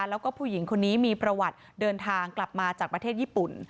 แล้วก็ผู้หญิงคนนี้มีประวัติเดินทางกลับมาจากประเทศญี่ปุ่น